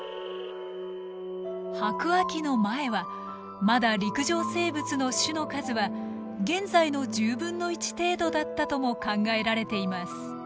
白亜紀の前はまだ陸上生物の種の数は現在の１０分の１程度だったとも考えられています。